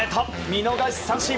見逃し三振。